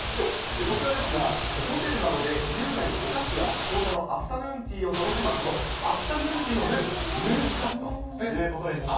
こちらですが、ホテルなどで優雅にお菓子屋紅茶のアフタヌーンティーを楽しむこと、アフタヌーンティーのヌン、ヌン活ということで、人気。